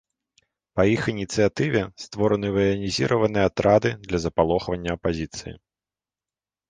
Па іх ініцыятыве створаны ваенізаваныя атрады для запалохвання апазіцыі.